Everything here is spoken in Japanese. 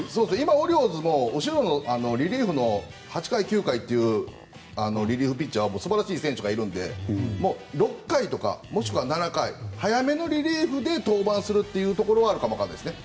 オリオールズも後ろのリリーフ８回、９回というリリーフピッチャーは素晴らしい選手がいるので６回とか７回早めのリリーフで登板するというところはあるかも分からないですね。